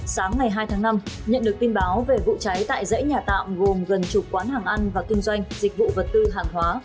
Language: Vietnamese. sáng ngày hai tháng năm nhận được tin báo về vụ cháy tại dãy nhà tạm gồm gần chục quán hàng ăn và kinh doanh dịch vụ vật tư hàng hóa